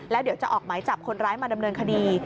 แล้วเดี๋ยวจะออกหมายจับคนร้ายมาดำเนินคดี